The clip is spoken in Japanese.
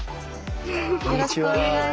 よろしくお願いします。